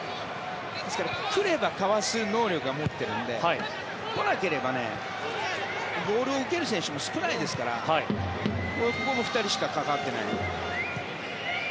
来ればかわす能力は持っているので来なければボールを受ける選手も少ないですからここも２人しか関わってない。